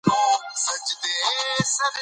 پکتیا د افغانستان د تکنالوژۍ پرمختګ سره تړاو لري.